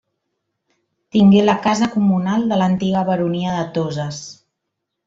Tingué la casa comunal de l'antiga Baronia de Toses.